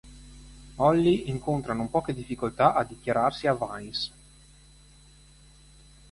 Holly incontra non poche difficoltà a dichiararsi a Vince.